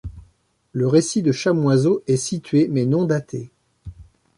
Le récit de Chamoiseau est situé mais non daté.